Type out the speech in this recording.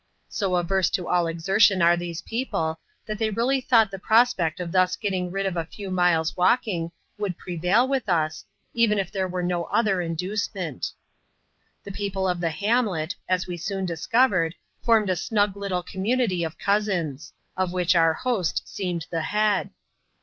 So averse to all exertion are these people, that they really thought the prospect of thus getting rid of a few miles' walking, would prevail with us, even if there were no other inducement. The people of the hamlet, as we soon discovered, formed a snug little community of cousins ; of which our host seemed the head.